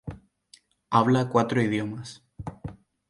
Habla cuatro idiomas.